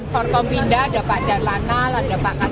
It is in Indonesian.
forkopimda dapat jalanan dapat jalanan